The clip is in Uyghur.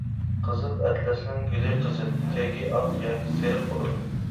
قىزىل ئەتلەسنىڭ گۈلى قىزىل، تېگى ئاق ياكى سېرىق بولىدۇ.